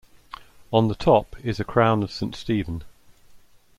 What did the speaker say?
On the top is a Crown of Saint Stephen.